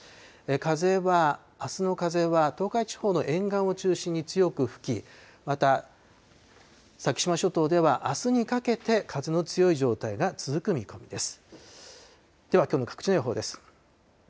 風は、あすの風は東海地方の沿岸を中心に強く吹き、また先島諸島ではあすにかけて、風の強い状態が続く見込みです。